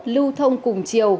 lưu thông cùng chiều